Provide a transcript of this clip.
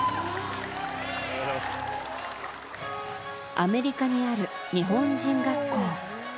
アメリカにある日本人学校。